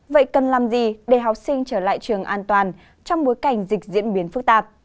vậy cần làm gì để học sinh trở lại trường an toàn trong bối cảnh dịch diễn biến phức tạp